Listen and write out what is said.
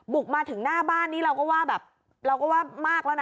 บุกมาถึงหน้าบ้านนี้เราก็ว่าแบบเราก็ว่ามากแล้วนะ